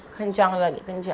kencang lagi kencang